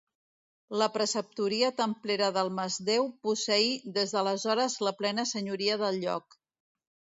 La preceptoria templera del Masdeu posseí des d'aleshores la plena senyoria del lloc.